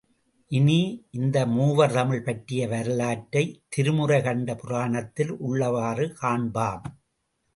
இனி, இந்த மூவர் தமிழ் பற்றிய வரலாற்றை, திருமுறை கண்ட புராணத்தில் உள்ளவாறு காண்பாம்.